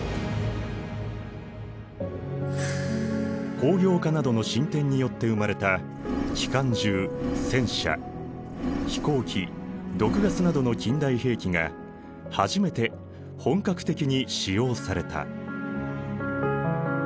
工業化などの進展によって生まれた機関銃戦車飛行機毒ガスなどの近代兵器が初めて本格的に使用された。